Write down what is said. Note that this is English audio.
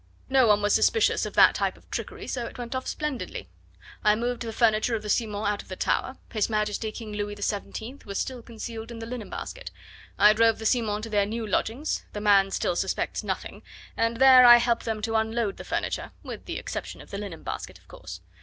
No one was suspicious of that type of trickery, so it went off splendidly. I moved the furniture of the Simons out of the Tower. His Majesty King Louis XVII was still concealed in the linen basket. I drove the Simons to their new lodgings the man still suspects nothing and there I helped them to unload the furniture with the exception of the linen basket, of course.